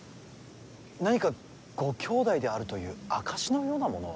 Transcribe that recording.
何かご兄弟であるという証しのようなものは？